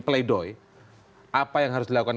play doh apa yang harus dilakukan